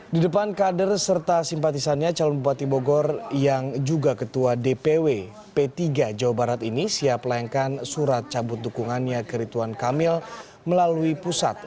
di depan kader serta simpatisannya calon bupati bogor yang juga ketua dpw p tiga jawa barat ini siap melayangkan surat cabut dukungannya ke rituan kamil melalui pusat